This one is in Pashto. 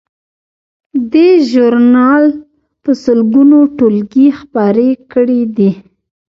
دې ژورنال په سلګونو ټولګې خپرې کړې دي.